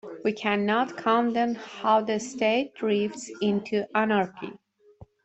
We cannot condone how the state drifts into anarchy.